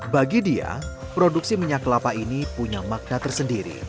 bagi dia produksi minyak kelapa ini punya keuntungan